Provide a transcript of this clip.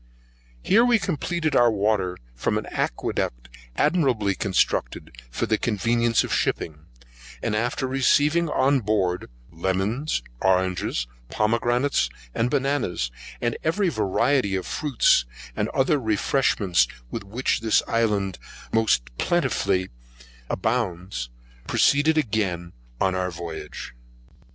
Here we completed our water from an acqueduct admirably constructed for the convenience of the shipping, and after receiving on board lemons, oranges, pomegranates, and bananas, with every variety of fruits and other refreshments with which this island most plentifully abounds, proceeded again on our voyage.